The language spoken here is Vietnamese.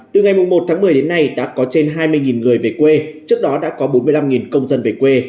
từ ngày một tháng một mươi đến nay đã có trên hai mươi người về quê trước đó đã có bốn mươi năm công dân về quê